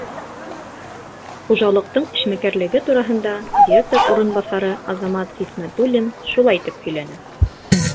Хужалыҡтың эшмәкәрлеге тураһында директор урынбаҫары Азамат Хисмәтуллин шулай тип һөйләне: